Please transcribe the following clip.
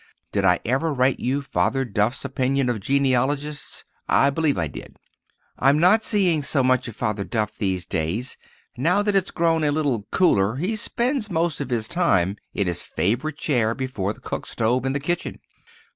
Did I ever write you Father Duff's opinion of genealogists? I believe I did. I'm not seeing so much of Father Duff these days. Now that it's grown a little cooler he spends most of his time in his favorite chair before the cook stove in the kitchen.